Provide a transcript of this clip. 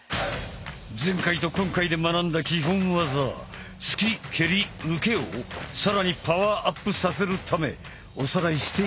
前回と今回で学んだ基本技突き蹴り受けを更にパワーアップさせるためおさらいしていこう。